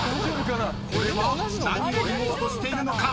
［これは何を言おうとしているのか］